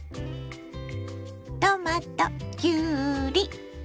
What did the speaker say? トマトきゅうり